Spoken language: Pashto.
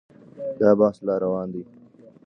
دا بحث لا روان دی.